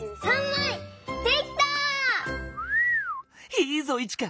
いいぞイチカ！